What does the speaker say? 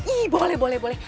ih boleh boleh boleh